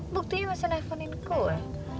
buktinya masih nelfonin gue